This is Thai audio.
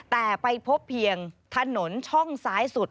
แต่ไปพบเพียงถนนช่องซ้ายสุด